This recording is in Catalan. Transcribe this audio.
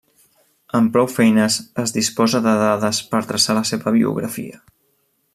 Amb prou feines es disposa de dades per traçar la seva biografia.